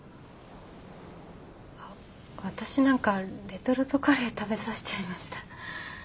私なんかレトルトカレー食べさせちゃいました。